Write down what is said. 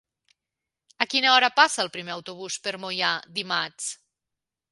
A quina hora passa el primer autobús per Moià dimarts?